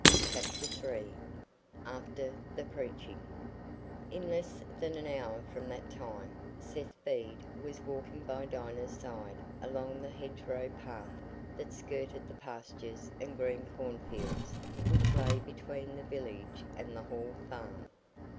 Chapter III After the Preaching In less than an hour from that time, Seth Bede was walking by Dinah's side along the hedgerow path that skirted the pastures and green corn fields which lay between the village and the Hall Farm.